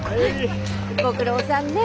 ご苦労さんね。